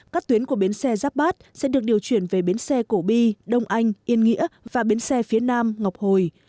các tuyến của bến xe giáp bát sẽ được điều chuyển về bến xe cổ bi đông anh yên nghĩa và bến xe phía nam ngọc hồi